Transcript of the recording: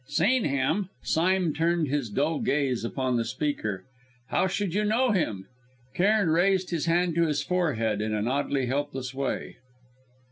"Seen him?" Sime turned his dull gaze upon the speaker. "How should you know him?" Cairn raised his hand to his forehead in an oddly helpless way.